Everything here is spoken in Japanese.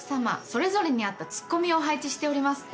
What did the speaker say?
それぞれに合ったツッコミを配置しております。